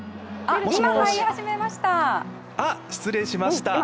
失礼しました。